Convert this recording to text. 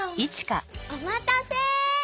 おまたせ。